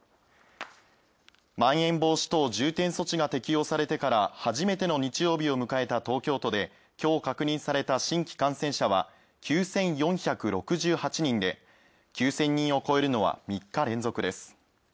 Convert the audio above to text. まん延防止等重点措置が適応されてから初めての日曜日を迎えた東京都で今日、確認された新規感染者は、９４６８人で、９０００人を超えるのは３日連続です。